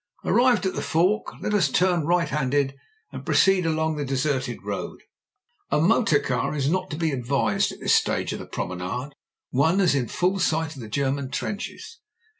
Arrived at the fork, let us turn right handed and proceed along the deserted road. A motor car is not to be advised, as at this stage of the promenade one is in full sight of the German trenches.